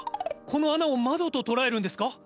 この穴を窓と捉えるんですか？